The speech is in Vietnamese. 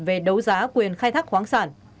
về đấu giá quyền khai thác khoáng sản